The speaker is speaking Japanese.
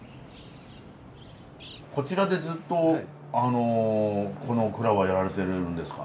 こちらでずっとこの蔵はやられてるんですか？